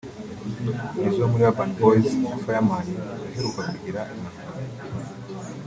Nizzo wo muri Urban Boyz na Fireman uheruka kugira impanuka